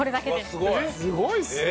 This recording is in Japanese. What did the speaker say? えっすごいっすね。